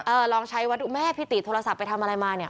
ลองใช้วัดดูแม่พี่ตีโทรศัพท์ไปทำอะไรมาเนี่ย